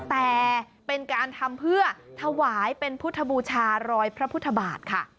แต่เป็นการทำเพื่อถวายเป็นพุทธบูชารอยพระพุทธบาทค่ะ